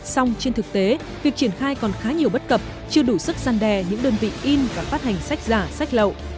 xong trên thực tế việc triển khai còn khá nhiều bất cập chưa đủ sức gian đè những đơn vị in và phát hành sách giả sách lậu